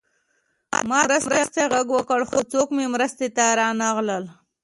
ما د مرستې غږ وکړ خو څوک مې مرستې ته رانغلل